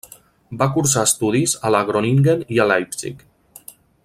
Va cursar estudis a la Groningen i a Leipzig.